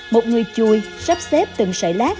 một người chùi sắp xếp từng sợi lát